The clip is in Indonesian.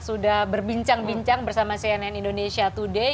sudah berbincang bincang bersama cnn indonesia today